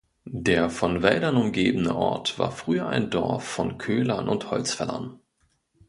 Der von Wäldern umgebene Ort war früher ein Dorf von Köhlern und Holzfällern.